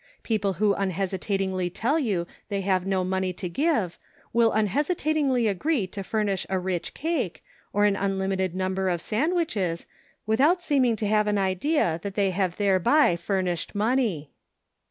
People who unhesitatingly tell you they have no money to give, will unhesitatingly agree to furnish a rich cake, or an unlimited number of sand wiches, without seeming to have an idea that they have thereby furnished money."